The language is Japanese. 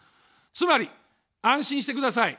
つまり、安心してください。